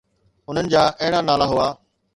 انهن جا اهڙا نالا هئا.